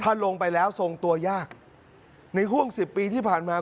ถ้าลงไปแล้วทรงตัวยากในห่วงสิบปีที่ผ่านมา